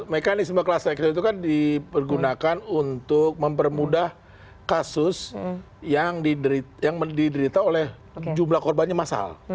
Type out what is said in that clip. mekanisme class action itu kan dipergunakan untuk mempermudah kasus yang diderita oleh jumlah korbannya masal